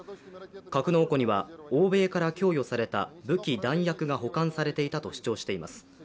格納庫には、欧米から供与された武器弾薬が保管されていたと主張しています。